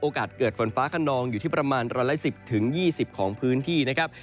เกิดฝนฟ้าขนองอยู่ที่ประมาณ๑๑๐๒๐ของพื้นที่นะครับ